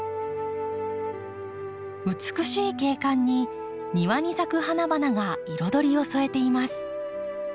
美しい景観に庭に咲く花々が彩りを添えています。